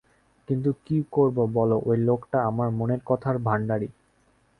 কিন্তু কী করব বলো, ঐ লোকটা আমার মনের কথার ভাণ্ডারী।